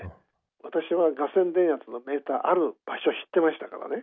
私は架線電圧のメーターある場所知ってましたからね